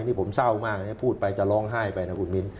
นี่ผมเศร้ามากนะพูดไปจะร้องไห้ไปนะคุณมิ้น